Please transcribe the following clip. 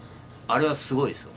あれはすごいです。